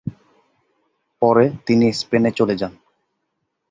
পরে তিনি স্পেনে চলে যান।